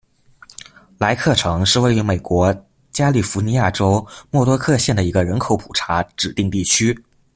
莱克城是位于美国加利福尼亚州莫多克县的一个人口普查指定地区。